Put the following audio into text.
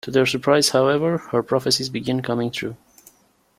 To their surprise however, her prophecies begin coming true.